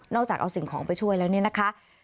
จากเอาสิ่งของไปช่วยแล้วเนี่ยนะคะ